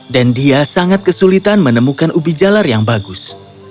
dan dia sangat kesulitan menemukan ubi jalar yang bagus